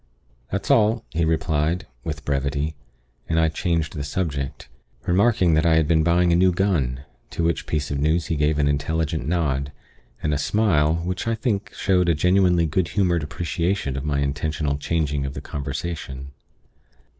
"That's all," he replied, with brevity; and I changed the subject, remarking that I had been buying a new gun, to which piece of news he gave an intelligent nod, and a smile which I think showed a genuinely good humored appreciation of my intentional changing of the conversation.